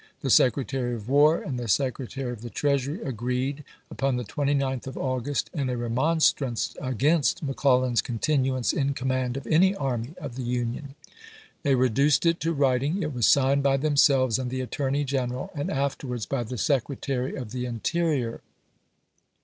The Secretary of War and the Secretary of the Treasury agreed, upon the 29th of August, in a remonstrance against McClellan's continuance in command of any army of the Union. They reduced it to writing ; it was signed by themselves and the Attorney Greneral, and afterwards by the Secretary of the Interior. W. E. Vol. XII. Part III., p. 787. 22 ABKAHAM LINCOLN Chap.